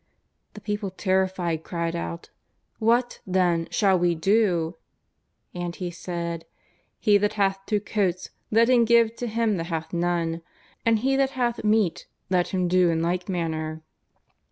The people terrified cried out :" What, then, shall we do ?" And he said :" He that hath two coats, let him give to him that hath none, and he that hath meat let him do in like manner."